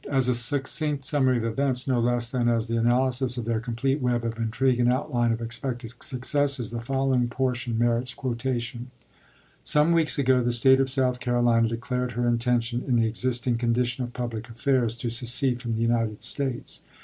As a succinct summary of events, no less than as the analysis of their complete web of intrigue and outline of expected successes, the following portion merits quotation : Some weeks ago the State of South Carolina declared her intention, in the existing condition of public affairs, to secede from the United States.